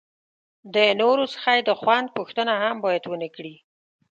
د نورو څخه یې د خوند پوښتنه هم باید ونه کړي.